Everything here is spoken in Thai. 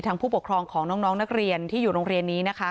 ผู้ปกครองของน้องนักเรียนที่อยู่โรงเรียนนี้นะคะ